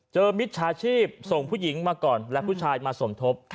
มิจฉาชีพส่งผู้หญิงมาก่อนและผู้ชายมาสมทบ